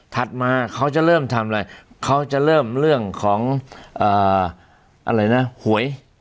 มาเขาจะเริ่มทำอะไรเขาจะเริ่มเรื่องของอะไรนะหวย